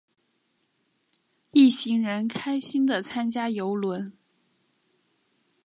一行人开心的参观邮轮。